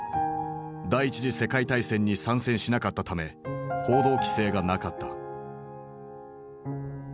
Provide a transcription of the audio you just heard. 第一次世界大戦に参戦しなかったため報道規制がなかった。